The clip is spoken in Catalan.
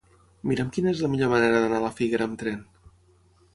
Mira'm quina és la millor manera d'anar a la Figuera amb tren.